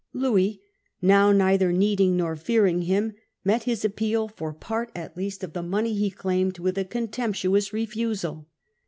Louis now, neither needing nor fearing him, met his appeal for part at least of the money he claimed with a contemptuous refusal.